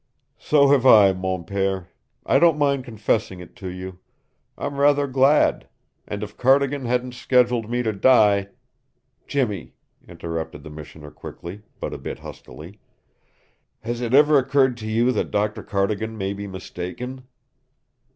"So have I, mon pere. I don't mind confessing it to you. I'm rather glad. And if Cardigan hadn't scheduled me to die " "Jimmy," interrupted the missioner quickly, but a bit huskily, "has it ever occurred to you that Doctor Cardigan may be mistaken?"